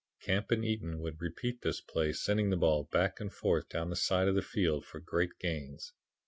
Camp and Eaton would repeat this play, sending the ball back and forth down the side of the field for great gains.